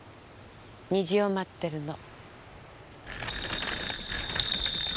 虹を待ってるの。